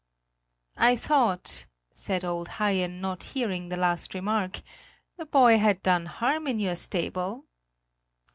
"I thought," said old Haien, not hearing the last remark, "the boy had done harm in your stable."